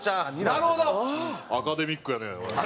アカデミックやねおい。